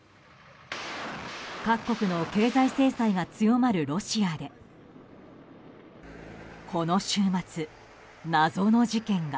各国の経済制裁が強まるロシアでこの週末、謎の事件が。